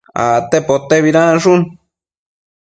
acte potebidanshun